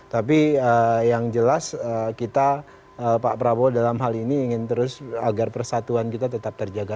tapi yang jelas kita pak prabowo dalam hal ini ingin terus agar persatuan kita tetap terjaga